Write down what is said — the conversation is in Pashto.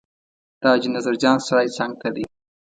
د حاجي نظر جان سرای څنګ ته دی.